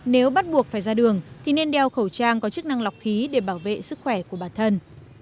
nếu bắt buộc phải ra đường thì nên đeo khẩu trang có chức năng lọc khí để bảo vệ sức khỏe của bản thân